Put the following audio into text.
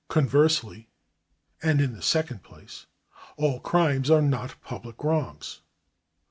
Conversely, and in the second place, all crimes are not public wrongs.